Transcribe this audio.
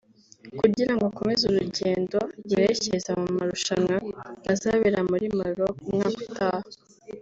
kugira ngo akomeze urugendo rwerekeza mu marushanwa azabera muri Maroke umwaka utaha